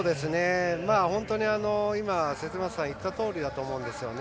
本当に今、節政さんが言ったとおりだと思うんですよね。